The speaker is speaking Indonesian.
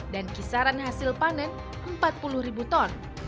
dan kisaran hasil panen empat puluh ton